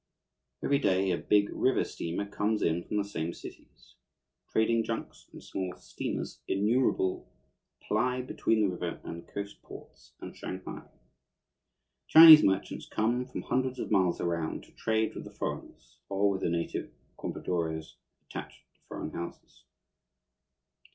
Every day a big river steamer comes in from the same cities. Trading junks and small steamers innumerable ply between the river and coast ports and Shanghai. Chinese merchants come from hundreds of miles around to trade with the foreigners or with the native "compradores" attached to foreign houses.